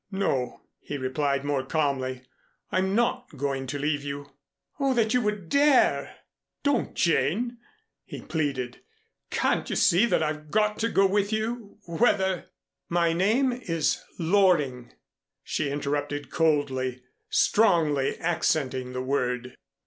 "No," he replied, more calmly. "I'm not going to leave you." "Oh, that you would dare!" "Don't, Jane!" he pleaded. "Can't you see that I've got to go with you whether " "My name is Loring," she interrupted coldly, strongly accenting the word.